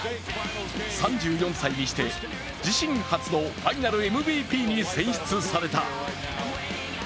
３４歳にして自身初のファイナルＭＶＰに選出された。